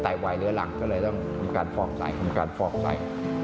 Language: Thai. ไตวัยเหลือหลังก็เลยต้องทำการฟอกไส้